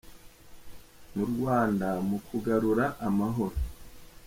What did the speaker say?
mu Rwanda mu kugarura amahoro.